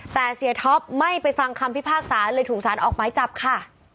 แต่เสียท็อปไม่ไปฟังคำพิพากษาเลยถูกสารออกหมายจับค่ะ